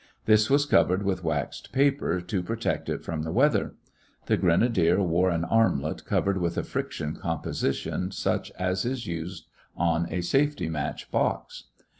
This was covered with waxed paper to protect it from the weather. The grenadier wore an armlet covered with a friction composition such as is used on a safety match box.